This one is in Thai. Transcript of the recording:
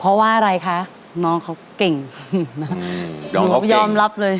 เพราะว่าอะไรคะน้องเขาเก่งอืมน้องเขาเก่งยอมรับเลย